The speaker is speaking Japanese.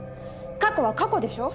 過去は過去でしょ！？